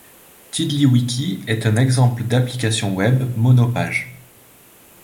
TiddlyWiki est un exemple d'application web monopage.